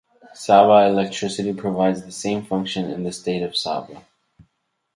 Sabah Electricity provides the same function in the state of Sabah.